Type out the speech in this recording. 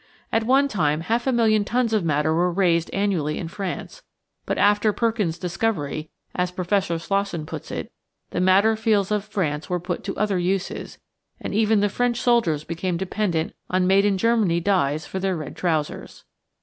At one time half a million tons of madder were raised annually in France, but after Perkin's discovery, as Professor Slosson puts it, "the mad der fields of France were put to other uses, and even the French soldiers became dependent on made in Germany dyes for their red trousers.